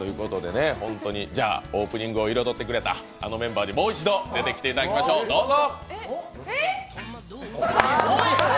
じゃあオープニングを彩ってくれたメンバーにもう一度出てきていただきましょう、どうぞ。